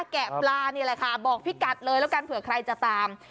แกะปลานี่แหละค่ะบอกพี่กัดเลยแล้วกันเผื่อใครจะตาม